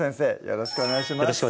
よろしくお願いします